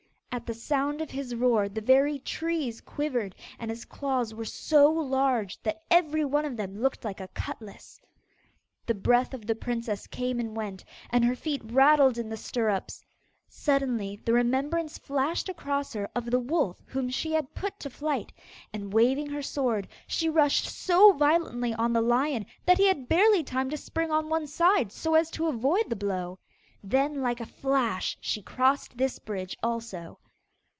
At the sound of his roar the very trees quivered and his claws were so large that every one of them looked like a cutlass. The breath of the princess came and went, and her feet rattled in the stirrups. Suddenly the remembrance flashed across her of the wolf whom she had put to flight, and waving her sword, she rushed so violently on the lion that he had barely time to spring on one side, so as to avoid the blow. Then, like a flash, she crossed this bridge also.